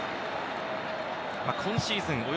今シーズン